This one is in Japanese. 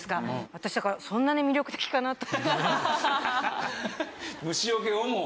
私だから「そんなに魅力的かな？」と。